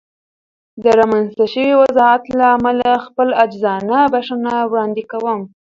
د رامنځته شوې وضعیت له امله خپله عاجزانه بښنه وړاندې کوم.